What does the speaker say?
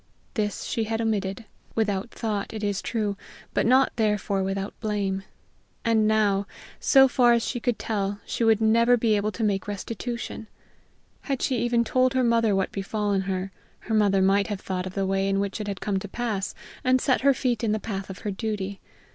This she had omitted without thought, it is true, but not, therefore, without blame; and now, so far as she could tell, she would never be able to make restitution! Had she even told her mother what befallen her, her mother might have thought of the way in which it had come to pass, and set her feet in the path of her duty!